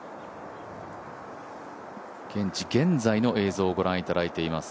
現地現在の映像をご覧いただいています。